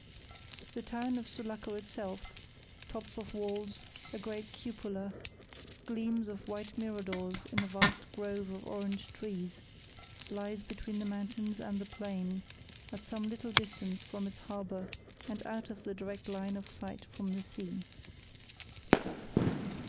The town of Sulaco itself tops of walls, a great cupola, gleams of white miradors in a vast grove of orange trees lies between the mountains and the plain, at some little distance from its harbour and out of the direct line of sight from the sea.